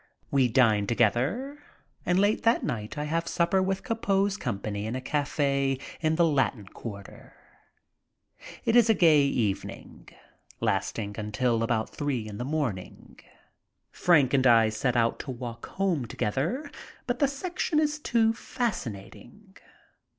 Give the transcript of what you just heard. We dine together, and late that night I have sup per with Copeau's company in a cafe in the Latin Quarter. It is a gay evening, lasting until about three in the morning. Frank and I set out to walk home together, but the section is too fascinating.